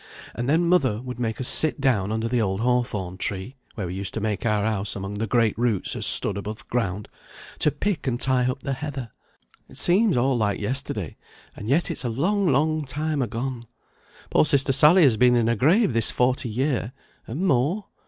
And then mother would make us sit down under the old hawthorn tree (where we used to make our house among the great roots as stood above th' ground), to pick and tie up the heather. It seems all like yesterday, and yet it's a long long time agone. Poor sister Sally has been in her grave this forty year and more.